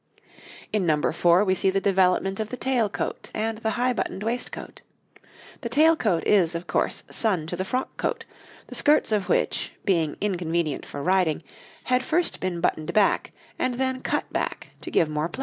In number four we see the development of the tail coat and the high buttoned waistcoat. The tail coat is, of course, son to the frock coat, the skirts of which, being inconvenient for riding, had first been buttoned back and then cut back to give more play.